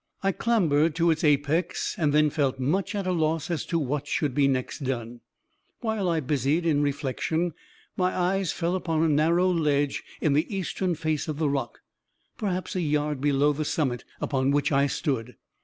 I clambered to its apex, and then felt much at a loss as to what should be next done. "While I was busied in reflection, my eyes fell upon a narrow ledge in the eastern face of the rock, perhaps a yard below the summit upon which I stood.